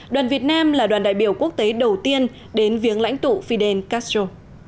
đoàn việt nam là đoàn đại biểu quốc tế đầu tiên đến viếng lãnh tụ fidel castro